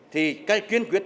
thì kiến quyết